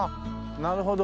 なるほど。